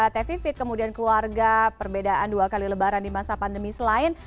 teh vivid kemudian keluarga perbedaan dua kali lebaran di masa pandemi selain